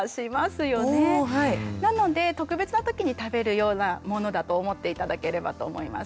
なので特別な時に食べるようなものだと思って頂ければと思います。